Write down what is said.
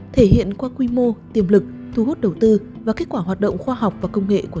thể hiện qua quy mô tiềm lực thu hút đầu tư và kết quả hoạt động khoa học và công nghệ của